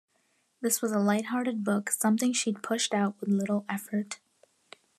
This was a lighthearted book, something she'd pushed out with little effort.